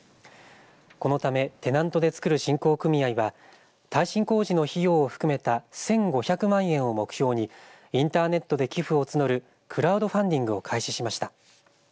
このためテナントでつくる振興組合は耐震工事の費用を含めた１５００万円を目標にインターネットで寄付を募るクラウドファンディングを開始しました。